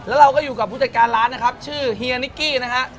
แล้วเราก็อยู่กับผู้จัดการร้านชื่อเนคกี้